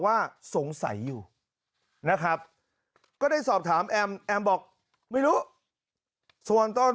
ว่าสงสัยอยู่นะครับก็ได้สอบถามแอมแอมบอกไม่รู้ส่วนต้น